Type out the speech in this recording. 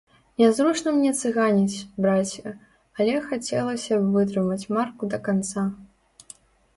Нязручна мне цыганіць, браце, але хацелася б вытрымаць марку да канца.